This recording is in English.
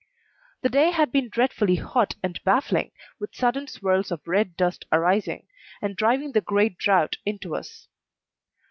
The day had been dreadfully hot and baffling, with sudden swirls of red dust arising, and driving the great drought into us.